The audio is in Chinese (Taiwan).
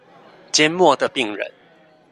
緘默的病人